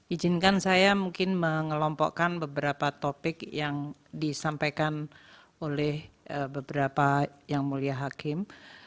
ijinkan saya mungkin mengelompokkan beberapa topik yang disampaikan oleh beberapa yang mulia hakim